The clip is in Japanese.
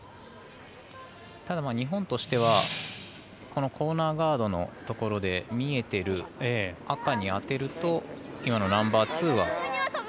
ただ日本としてはこのコーナーガードのところで見えている赤に当てると今のナンバーツーは。